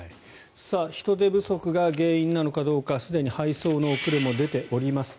人手不足が原因なのかどうかすでに配送の遅れも出ています。